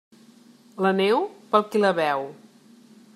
La neu, pel qui la veu.